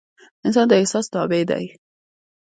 انسان د احسان تابع ده